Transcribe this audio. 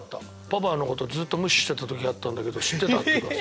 「パパのことずっと無視してた時あったんだけど知ってた？」。